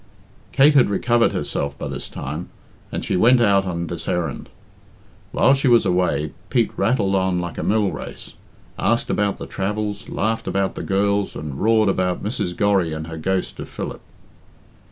Kate had recovered herself by this time, and she went out on this errand. While she was away, Pete rattled on like a mill race asked about the travels, laughed about the girls, and roared about Mrs. Gorry and her ghost of Philip.